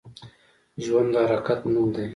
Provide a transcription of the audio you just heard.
ژوند د حرکت نوم دی